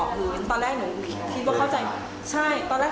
ชืนเกงมันก็ก็กอบฉันตกแรก